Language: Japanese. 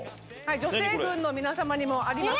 女性軍の皆さまにもあります。